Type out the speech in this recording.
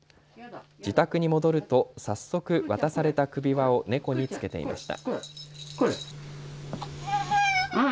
自宅に戻ると早速渡された首輪を猫につけていました。